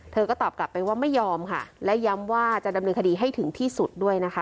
ก็ตอบกลับไปว่าไม่ยอมค่ะและย้ำว่าจะดำเนินคดีให้ถึงที่สุดด้วยนะคะ